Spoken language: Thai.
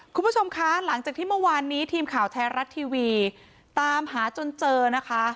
คุณผู้ชมคะหลังจากที่เมื่อวานนี้ทีมข่าวไทยรัฐทีวีตามหาจนเจอนะคะ